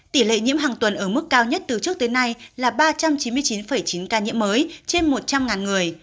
tỷ lệ nhiễm hàng tuần ở mức cao nhất từ trước tới nay là ba trăm chín mươi chín chín ca nhiễm mới trên một trăm linh người